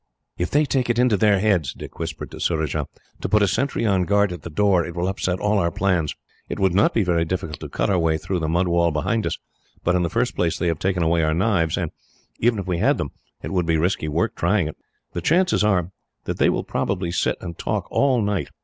"If they take it into their heads," Dick whispered to Surajah, "to put a sentry on guard at the door, it will upset all our plans. It would not be very difficult to cut our way through the mud wall behind us, but in the first place they have taken away our knives; and, even if we had them, it would be risky work trying it. "The chances are that they will sit and talk all night.